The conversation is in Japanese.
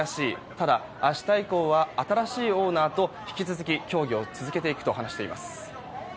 ただ、明日以降は新しいオーナーと引き続き協議を続けていくと話しています。